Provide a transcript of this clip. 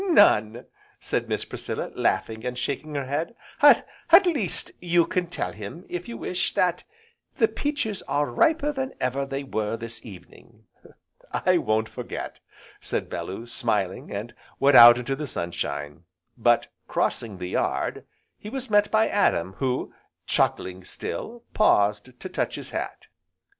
"None," said Miss Priscilla, laughing and shaking her head, "at least, you can tell him, if you wish, that the peaches are riper than ever they were this evening." "I won't forget," said Bellew, smiling, and went out into the sunshine. But, crossing the yard, he was met by Adam, who, chuckling still, paused to touch his hat.